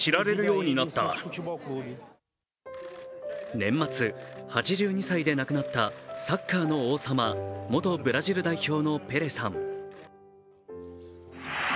年末亡くなったサッカーの王様、元ブラジル代表のペレさん。